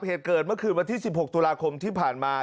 เหตุเกิดเมื่อคืนวันที่๑๖ตุลาคมที่ผ่านมา